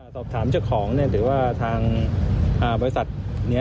สอบถามเจ้าของเนี่ยถือว่าทางบริษัทเนี่ย